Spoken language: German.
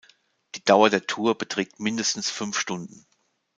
Die Dauer der Tour beträgt mindestens fünf Stunden.